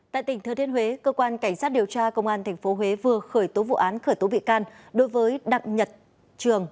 tại tỉnh thừa thiên huế cơ quan cảnh sát điều tra công an tp huế vừa khởi tố vụ án khởi tố bị can đối với đặng nhật trường